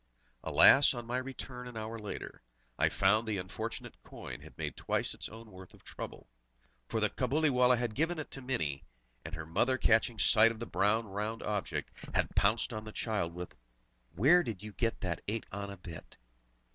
Alas, on my return an hour later, I found the unfortunate coin had made twice its own worth of trouble! For the Cabuliwallah had given it to Mini, and her mother catching sight of the bright round object, had pounced on the child with: "Where did you get that eight anna bit?"